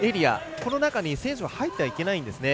この中に選手は入ってはいけないんですね。